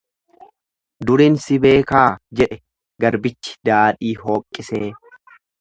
Durin si beekaa jedhe, garbichi daadhii hooqqisee.